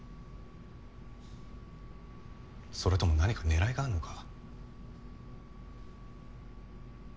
それとも何か狙いがあるのか？